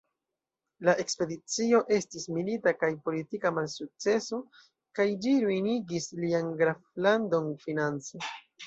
La ekspedicio estis milita kaj politika malsukceso, kaj ĝi ruinigis lian Graflandon finance.